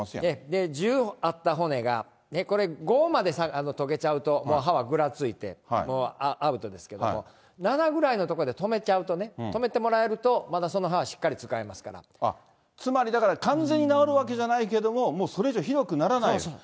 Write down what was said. １０あった骨が、これ５まで溶けちゃうと、もう歯はぐらついて、もうアウトですけれども、７ぐらいのところでとめちゃうとね、とめてもらえると、まだその歯は、つまりだから、完全に治るわけじゃないけれども、もうそれ以上ひどくならないように。